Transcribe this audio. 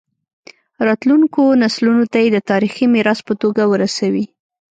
راتلونکو نسلونو ته یې د تاریخي میراث په توګه ورسوي.